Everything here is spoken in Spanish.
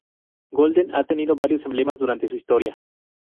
Golden ha tenido varios emblemas durante su historia.